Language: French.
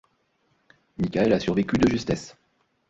Michael a survécu de justesse.